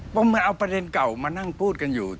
เพราะมันเอาประเด็นเก่ามานั่งพูดกันอยู่